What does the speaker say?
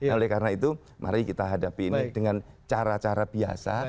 oleh karena itu mari kita hadapi ini dengan cara cara biasa